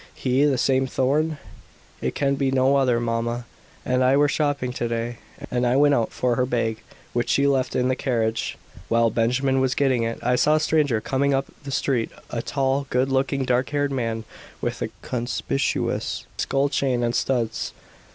"He! The same Thorn?" "It can be no other. Mamma and I were shopping to day, and I went out for her bag, which she left in the carriage. While Benjamin was getting it, I saw a stranger coming up the street a tall, good looking, dark haired man, with a conspicuous gold chain and studs.